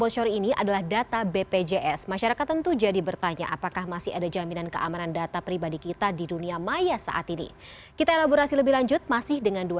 jalan akhir pekan